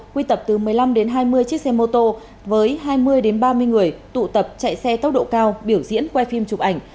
quy tập từ một mươi năm đến hai mươi chiếc xe mô tô với hai mươi ba mươi người tụ tập chạy xe tốc độ cao biểu diễn quay phim chụp ảnh